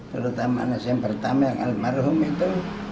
terutama anak saya yang pertama yang almarhum itu